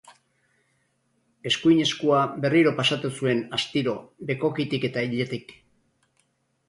Eskuin eskua berriro pasatu zuen astiro bekokitik eta iletik.